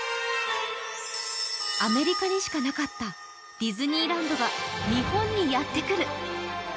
アメリカにしかなかったディズニーランドが日本にやってくる！